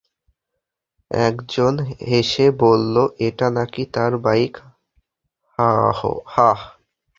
একজন এসে বলল এটা নাকি তার বাইক, হাহ?